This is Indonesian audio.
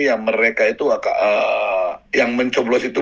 yang mereka itu yang mencoplos itu